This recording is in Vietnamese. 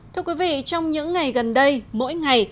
thưa quý vị trong những ngày gần đây mỗi ngày